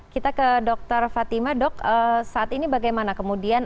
kita ke dokter fatima dok saat ini bagaimana kemudian